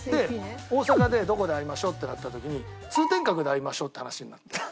「大阪でどこで会いましょう？」ってなった時に「通天閣で会いましょう」って話になって。